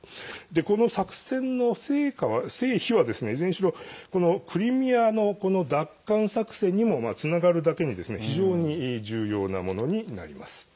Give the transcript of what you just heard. この作戦の成否はいずれにしろこのクリミアの奪還作戦にもつながるだけに非常に重要なものになります。